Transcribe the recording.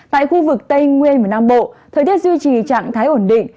tại khu vực tây nguyên và nam bộ thời tiết duy trì trạng thái ổn định